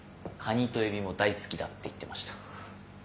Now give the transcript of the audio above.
カニとエビも大好きだって言ってました。